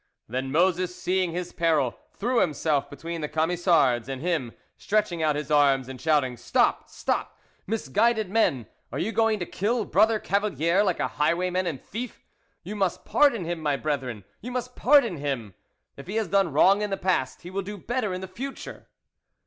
Then Moses seeing his peril, threw himself between the Camisards and him, stretching out his arms and shouting, "Stop! stop! misguided men! Are you going to kill Brother Cavalier like a highwayman and thief? You must pardon him, my brethren! you must pardon him! If he has done wrong in the past, he will do better in future."